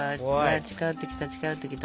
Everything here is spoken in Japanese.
近寄ってきた近寄ってきた。